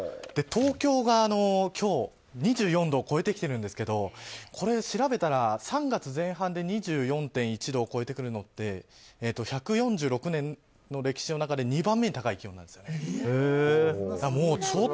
東京が今日、２４度を超えてきているんですが調べたら３月前半で２４．１度を超えてくるのって１４６年の歴史の中で２番目に高い気温なんです。